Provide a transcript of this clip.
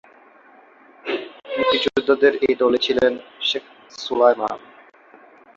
মুক্তিযোদ্ধাদের এ দলে ছিলেন শেখ সোলায়মান।